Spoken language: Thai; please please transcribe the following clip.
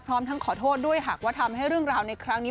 พร้อมทั้งขอโทษด้วยหากว่าทำให้เรื่องราวในครั้งนี้